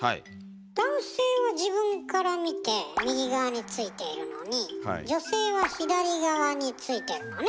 男性は自分から見て右側に付いているのに女性は左側に付いてるわね。